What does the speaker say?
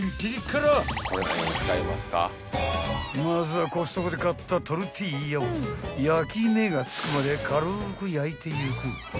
［まずはコストコで買ったトルティーヤを焼き目が付くまで軽く焼いていく］